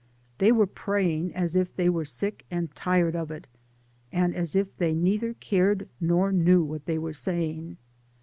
They were praying as if they were sick and tired of it, and as if they neither cared nor knew what they were saying.